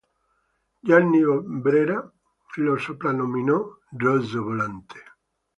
Gianni Brera lo soprannominò "Rosso Volante".